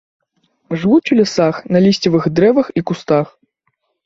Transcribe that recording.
Жывуць у лясах на лісцевых дрэвах і кустах.